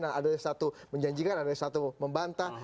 nah ada satu menjanjikan ada satu membantah